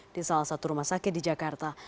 di salah satu rumah sakit di jakarta